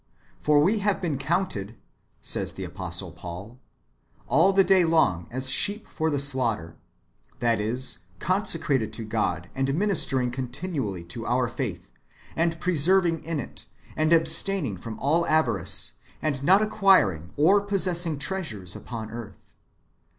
^" For we have been counted," says the Apostle Paul, " all the day long as sheep for the slaughter ;"^ that is, con secrated [to God], and ministering continually to our faith, and persevering in it, and abstaining from all avarice, and not acquiring or possessing treasures upon earth